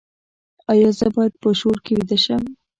ایا زه باید په شور کې ویده شم؟